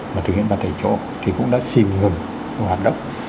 mà thực hiện ba thể chỗ thì cũng đã xin ngừng hoạt động